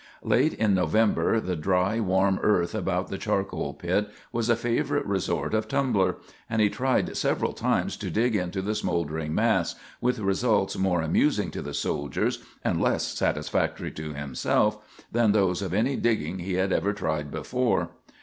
Late in November the dry, warm earth about the charcoal pit was a favorite resort of Tumbler, and he tried several times to dig into the smoldering mass, with results more amusing to the soldiers and less satisfactory to himself than those of any digging he had ever tried before.